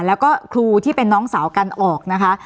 แล้วก็ครูที่เป็นน้องสาวกันออกนะคะ